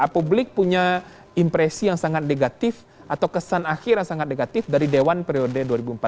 publik punya impresi yang sangat negatif atau kesan akhir yang sangat negatif dari dewan periode dua ribu empat belas dua ribu dua